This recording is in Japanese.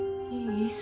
いい？